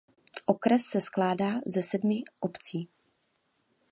Okres se skládá se ze sedmi obcí.